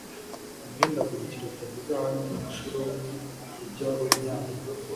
Imihindagurikire tuvuga aha ni inshuro ujya kunyara,